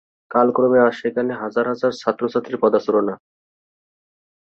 কাল ক্রমে আজ সেখানে হাজার হাজার ছাত্র-ছাত্রীর পদচারণা।